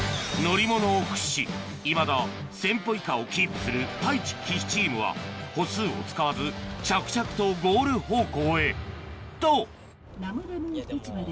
いまだ１０００歩以下をキープする太一・岸チームは歩数を使わず着々とゴール方向へと市場です。